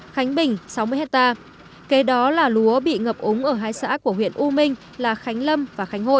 khánh bình sáu mươi hectare kế đó là lúa bị ngập úng ở hai xã của huyện u minh là khánh lâm và khánh hội